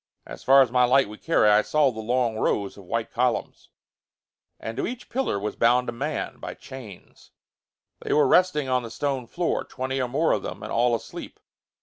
As far as my light would carry I saw the long rows of white columns. And to each pillar was bound a man, by chains. They were resting on the stone floor, twenty or more of them, and all asleep.